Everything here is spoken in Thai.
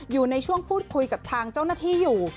อยู่ในช่วงพูดคุยกับทางเจ้าหน้าที่อยู่